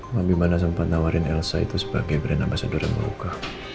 mami mana sempat nawarin elsa itu sebagai berenang bahasa dura mau luka